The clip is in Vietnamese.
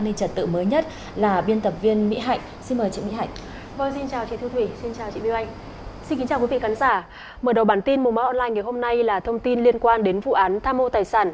mở đầu bản tin mùa máu online ngày hôm nay là thông tin liên quan đến vụ án tham mô tài sản